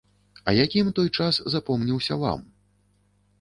А якім той час запомніўся вам?